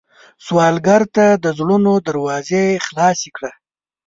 سوالګر ته د زړونو دروازې خلاصې کړه